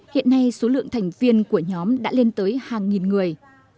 hiện nay số lượng thành viên của nhóm đã lên tới hàng nghìn người